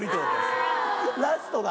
ラストが。